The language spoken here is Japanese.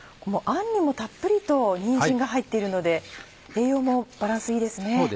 あんにもたっぷりとにんじんが入っているので栄養もバランスいいですね。